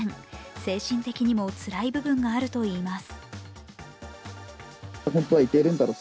精神的にもつらい部分があるといいます。